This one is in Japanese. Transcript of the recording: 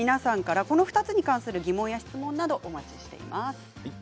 この２つに関する疑問、質問などお待ちしています。